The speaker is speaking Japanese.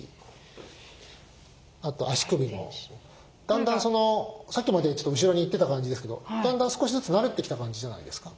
だんだんさっきまでちょっと後ろにいってた感じですけどだんだん少しずつ慣れてきた感じじゃないですか。